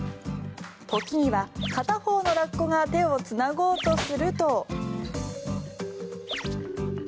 時には、片方のラッコが手をつなごうとすると。